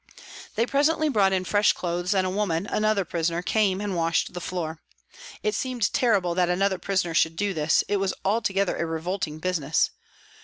They presently brought in fresh clothes, and a woman, another prisoner, came and washed the floor. It seemed terrible that another prisoner should do this, it was altogether a revolting business.